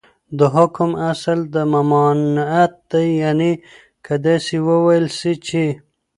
دحكم اصل ، ممانعت دى يعني كه داسي وويل سي چې